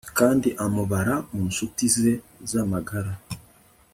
kandi amubara mu ncuti ze z'amagara